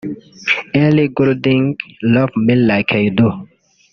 Ellie Goulding – Love Me Like You Do